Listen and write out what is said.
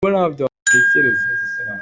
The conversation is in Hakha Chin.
Na rian ah naa phetchem awk a si lo.